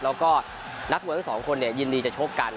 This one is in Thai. แล้วก็นักมวยทั้งสองคนยินดีจะชกกัน